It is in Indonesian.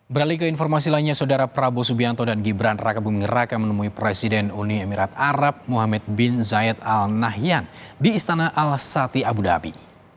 beralih ke informasi lainnya saudara prabowo subianto dan gibran raka buming raka menemui presiden uni emirat arab muhammad bin zayed al nahyan di istana al sati abu dhabi